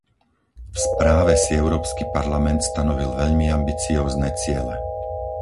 V správe si Európsky parlament stanovil veľmi ambiciózne ciele.